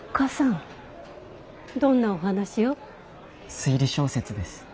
推理小説です。